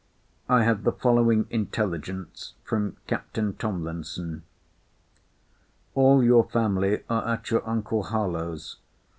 I have the following intelligence from Captain Tomlinson. 'All your family are at your uncle Harlowe's.